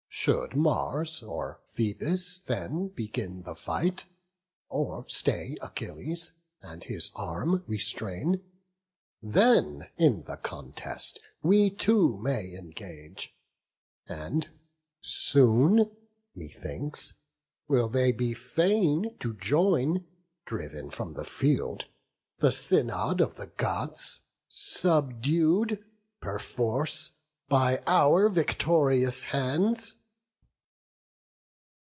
Should Mars or Phoebus then begin the fight, Or stay Achilles, and his arm restrain, Then in the contest we too may engage; And soon, methinks, will they be fain to join, Driv'n from the field, the Synod of the Gods, Subdued perforce by our victorious hands."